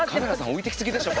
置いていきすぎでしょ